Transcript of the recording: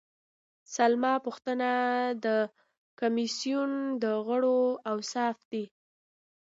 سلمه پوښتنه د کمیسیون د غړو اوصاف دي.